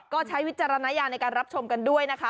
ก็ใช้วิจารณญาณในการรับชมกันด้วยนะคะ